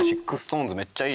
めっちゃいいね」